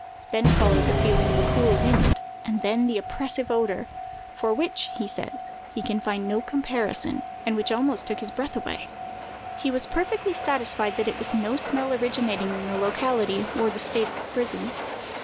Then followed the feeling of a cool wind; and then the oppressive odor, for which, he says, he can find no comparison, and which almost took away his breath. He was perfectly satisfied that it was no smell originating in the locality or the state of the prison.